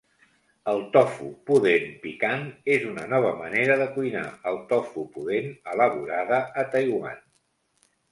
El tofu pudent picant és una nova manera de cuinar el tofu pudent elaborada a Taiwan.